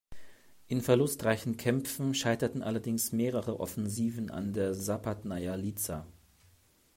In verlustreichen Kämpfen scheiterten allerdings mehrere Offensiven an der Sapadnaja Liza.